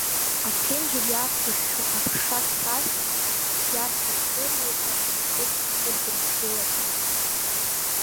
Аԥенџьыр иавҵышәшәо аԥша хьшәашәа иаршәыршәыруеит абырфынтә кыдыршәылақәа.